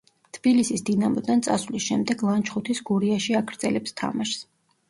თბილისის „დინამოდან“ წასვლის შემდეგ ლანჩხუთის „გურიაში“ აგრძელებს თამაშს.